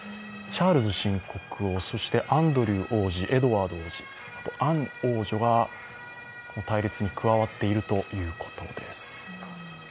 チャールズ新国王、アンドリュー王子エドワード王子、アン王女が隊列に加わっているということです。